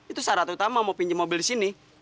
itu syarat utama mau pinjem mobil disini